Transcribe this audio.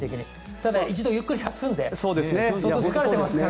ただ、一度ゆっくり休んで相当疲れてますから。